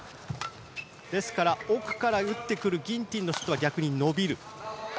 ですから奥から打ってくるギンティンの羽根が逆に伸びる。